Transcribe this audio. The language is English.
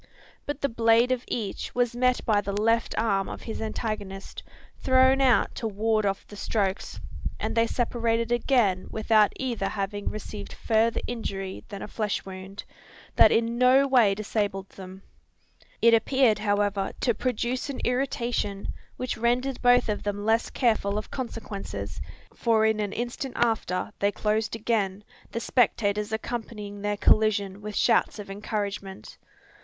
But the blade of each was met by the left arm of his antagonist, thrown out to ward off the strokes and they separated again without either having received further injury than a flesh wound, that in no way disabled them. It appeared, however, to produce an irritation, which rendered both of them less careful of consequences: for in an instant after they closed again, the spectators accompanying their collision with shouts of encouragement.